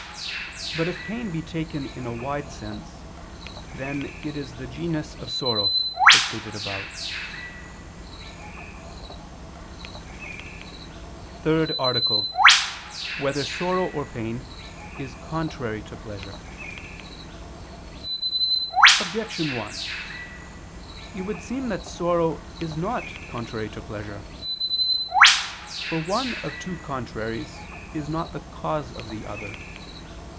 But if pain be taken in a wide sense, then it is the genus of sorrow, as stated above. ________________________ THIRD ARTICLE [I II, Q. 35, Art. 3] Whether Sorrow or Pain Is Contrary to Pleasure? Objection 1: It would seem that sorrow is not contrary to pleasure. For one of two contraries is not the cause of the other.